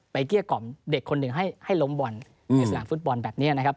เกลี้ยกล่อมเด็กคนหนึ่งให้ล้มบอลในสนามฟุตบอลแบบนี้นะครับ